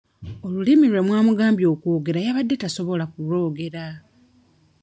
Olulimi lwe mwamugambye okwogera yabadde tasobola kulwogera.